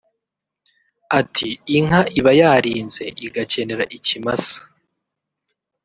Ati “Inka iba yarinze igakenera ikimasa